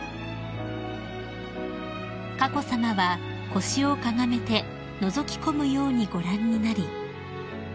［佳子さまは腰をかがめてのぞき込むようにご覧になり］